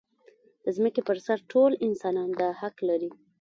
د ځمکې پر سر ټول انسانان دا حق لري.